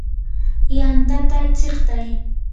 yantata chiqtay.